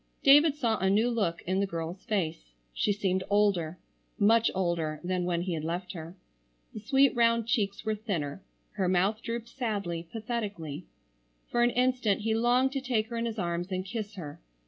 David saw a new look in the girl's face. She seemed older, much older than when he had left her. The sweet round cheeks were thinner, her mouth drooped sadly, pathetically. For an instant he longed to take her in his arms and kiss her.